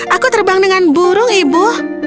aku terbang dengan burung ibu